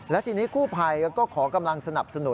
และทีนี้กู้ภัยก็ขอกำลังสนับสนุน